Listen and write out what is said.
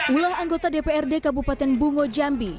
ulah anggota dprd kabupaten bungo jambi